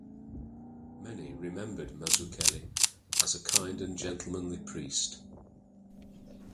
Many remembered Mazzuchelli as a kind and gentlemanly priest.